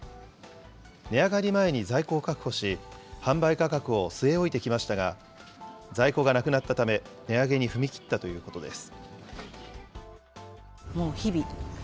値上がり前に在庫を確保し、販売価格を据え置いてきましたが、在庫がなくなったため、値上げに踏み切ったということです。